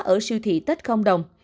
ở siêu thị tết không đồng